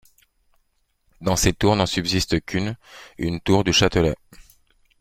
De ces tours, n'en subsistent qu'une, une tour du châtelet.